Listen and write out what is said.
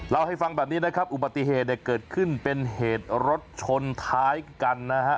เล่าให้ฟังแบบนี้นะครับอุบัติเหตุเนี่ยเกิดขึ้นเป็นเหตุรถชนท้ายกันนะฮะ